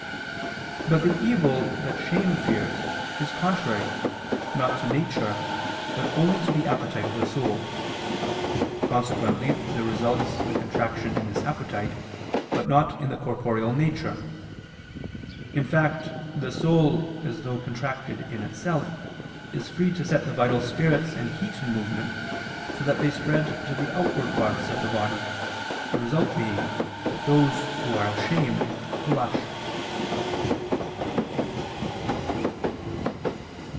But the evil that shame fears, is contrary, not to nature, but only to the appetite of the soul. Consequently there results a contraction in this appetite, but not in the corporeal nature; in fact, the soul, as though contracted in itself, is free to set the vital spirits and heat in movement, so that they spread to the outward parts of the body: the result being that those who are ashamed blush.